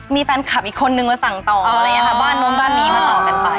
มีแฟนคลับอีกคนหนึ่งโดนสั่งต่อบ้านโน้มบ้านนี้มาต่อกันไป